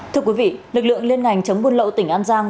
thưa quý vị lực lượng liên ngành chống buôn lậu tỉnh an giang